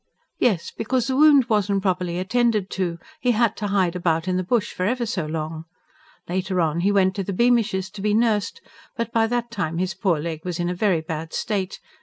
"Yes, because the wound wasn't properly attended to he had to hide about in the bush, for ever so long. Later on he went to the Beamishes, to be nursed. But by that time his poor leg was in a very bad state.